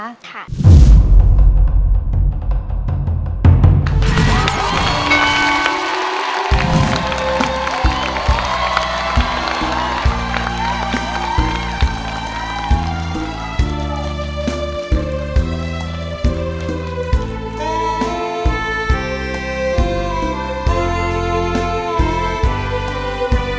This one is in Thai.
รับทราบ